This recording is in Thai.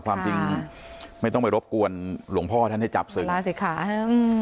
ความจริงไม่ต้องไปรบกวนหลวงพ่อท่านให้จับศึกมาสิค่ะอืม